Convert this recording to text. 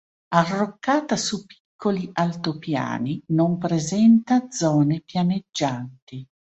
Arroccata su piccoli altopiani, non presenta zone pianeggianti.